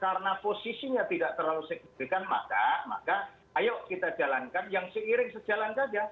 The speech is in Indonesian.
karena posisinya tidak terlalu signifikan maka ayo kita jalankan yang seiring sejalan saja